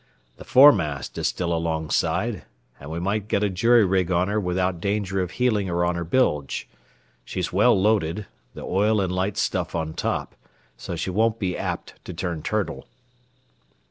The foremast is still alongside, and we might get a jury rig on her without danger of heeling her on her bilge. She's well loaded, the oil and light stuff on top, so she won't be apt to turn turtle."